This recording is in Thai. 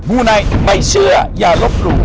ูไนท์ไม่เชื่ออย่าลบหลู่